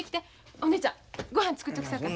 お姉ちゃんごはん作っとくさかい。